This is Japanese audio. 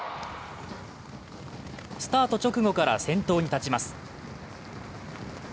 スタート直後から先頭に立ちます。